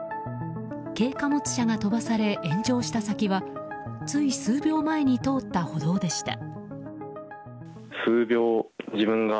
軽貨物車が飛ばされ炎上した先はつい数秒前に通った歩道でした。